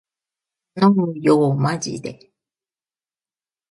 たのむよーまじでー